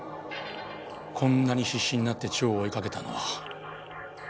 こんなに必死になって蝶を追いかけたのは。